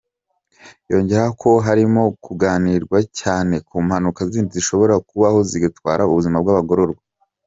Yongeraho ko harimo kuganirwa cyane ku mpanuka zindi zishobora kubaho zigatwara ubuzima bw’abagororwa.